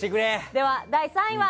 では第３位は。